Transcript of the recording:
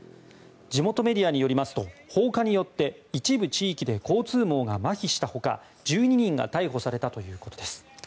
地元メディアによりますと放火によって一部地域で交通網がまひした他１２人が逮捕されたということです。